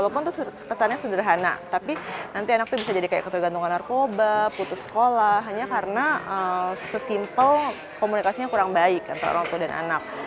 pertanyaannya sederhana tapi nanti anak tuh bisa jadi kaya ketergantungan narkoba putus sekolah hanya karena sesimpel komunikasinya kurang baik antara orang tua dan anak